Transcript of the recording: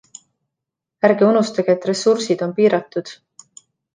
Ärge unustage, et ressursid on piiratud.